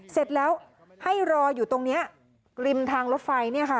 เสร็จแล้วให้รออยู่ตรงนี้ริมทางรถไฟเนี่ยค่ะ